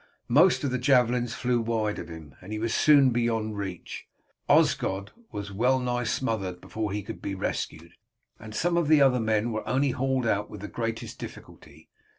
Most of the javelins flew wide of him, and he was soon beyond reach. Osgod was well nigh smothered before he could be rescued, and some of the other men were only hauled out with the greatest difficulty.